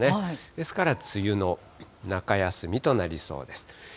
ですから梅雨の中休みとなりそうです。